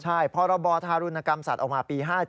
ใช่พรบธารุณกรรมสัตว์ออกมาปี๕๗